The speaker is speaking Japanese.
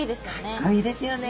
かっこいいですよね。